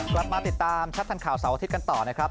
กลับมาติดตามชัดทันข่าวเสาร์อาทิตย์กันต่อนะครับ